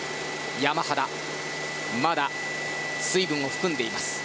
山肌、まだ水分を含んでいます。